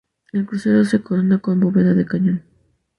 El crucero se corona con bóveda de cañón.